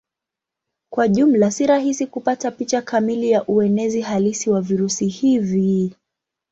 Kwa jumla si rahisi kupata picha kamili ya uenezi halisi wa virusi hivi.